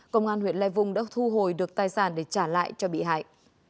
công an huyện lai vung đã thu hồi được tài sản để trả lại cho bị hại